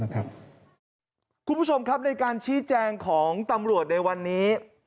คุณผู้ชมครับในการชี้แจงของตำรวจในวันนี้